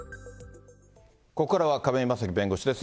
ここからは亀井正貴弁護士です。